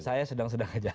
saya sedang sedang aja